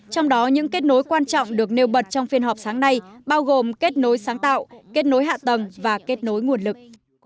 trong đó những kết nối quan trọng được nêu bật trong phiên họp sáng nay bao gồm kết nối sáng tạo kết nối hạ tầng và kết nối nguồn lực